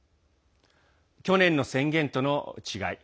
去年の宣言との違い